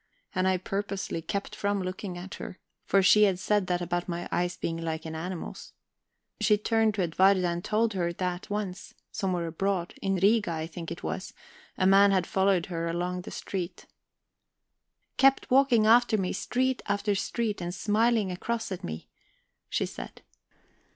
And I purposely kept from looking at her, for she had said that about my eyes being like an animal's. She turned to Edwarda and told her that once, somewhere abroad in Riga I think it was a man had followed her along the street. "Kept walking after me, street after street, and smiling across at me," she said.